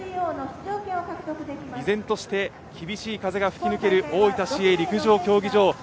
依然として、厳しい風が吹き抜ける大分市営陸上競技場。